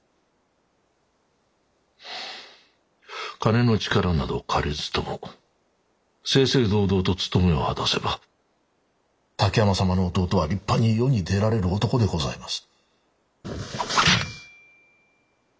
金の力など借りずとも正々堂々と務めを果たせば滝山様の弟は立派に世に出られる男でございます。